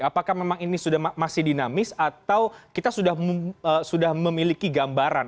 apakah memang ini sudah masih dinamis atau kita sudah memiliki gambaran